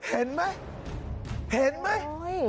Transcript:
เห็นมั้ยเห็นมั้ย